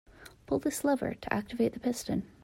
Pull this lever to activate the piston.